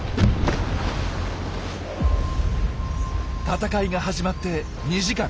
闘いが始まって２時間。